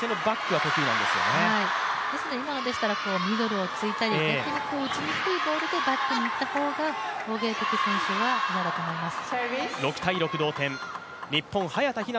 ですので、今のでしたらミドルをついたり逆に打ちにくいボールでバックにいった方が王ゲイ迪選手は嫌だと思います。